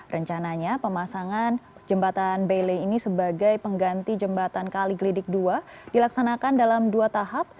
rencananya pemasangan jembatan bailey ini sebagai pengganti jembatan kaliglidik dua dilaksanakan dalam dua tahap